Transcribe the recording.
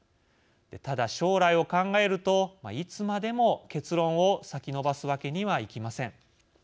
ただ将来を考えるといつまでも結論を先延ばすわけにはいきません。